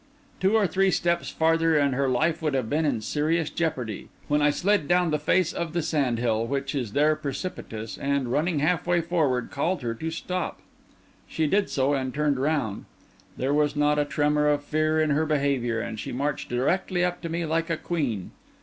Two or three steps farther and her life would have been in serious jeopardy, when I slid down the face of the sand hill, which is there precipitous, and, running half way forward, called to her to stop. She did so, and turned round. There was not a tremor of fear in her behaviour, and she marched directly up to me like a queen.